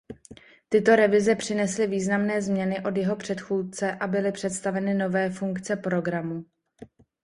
Tyto revize přinesly významné změny od jeho předchůdce a byly představeny nové funkce programu.